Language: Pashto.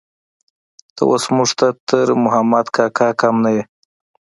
ته اوس موږ ته تر محمد کاکا کم نه يې.